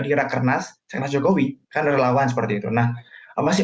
di kernas jokowi kan ada lawan seperti itu nah apa sih